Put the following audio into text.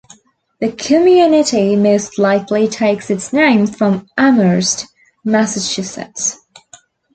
The community most likely takes its name from Amherst, Massachusetts.